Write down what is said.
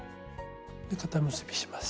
固結びします。